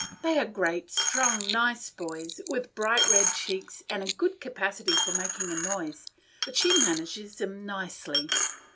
They are great, strong, nice boys, with bright red cheeks, and a good capacity for making a noise, but she manages them nicely.